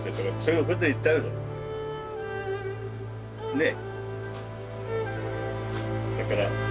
ねえ。